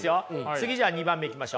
次じゃあ２番目いきましょう。